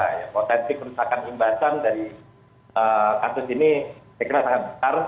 ya potensi kerusakan imbasan dari kasus ini saya kira sangat besar